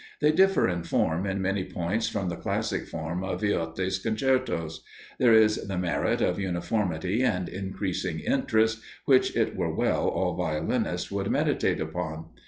They differ in form in many points from the classic form of Viotti's concertos. There is the merit of uniformity and increasing interest, which it were well all violinists would meditate upon.